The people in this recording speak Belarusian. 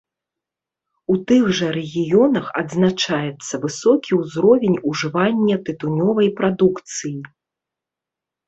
У тых жа рэгіёнах адзначаецца высокі ўзровень ужывання тытунёвай прадукцыі.